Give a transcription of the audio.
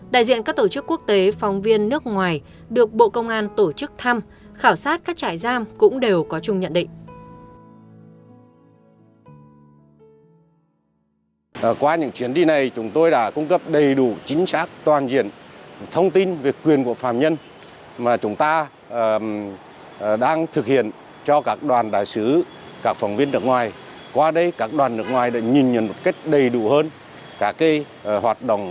đại diện các tổ chức quốc tế phòng viên nước ngoài được bộ công an tổ chức thăm khảo sát các trại giam cũng đều có chung nhận định